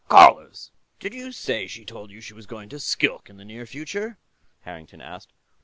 "Carlos, did you say she told you she was going to Skilk, in the near future?" Harrington asked.